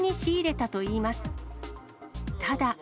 ただ。